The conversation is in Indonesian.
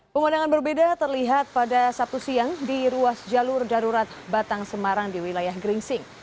pemandangan berbeda terlihat pada sabtu siang di ruas jalur darurat batang semarang di wilayah geringsing